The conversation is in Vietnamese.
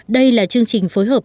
đây là chương trình phối hợp